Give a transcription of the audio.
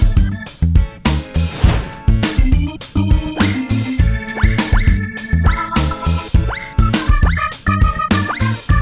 โปรดติดตามต่อไป